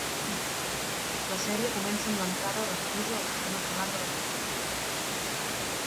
La sèrie comença amb l'entrada de Medusa al sistema solar de la Terra.